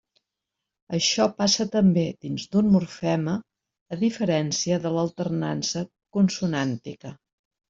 Això passa també dins d'un morfema, a diferència de l'alternança consonàntica.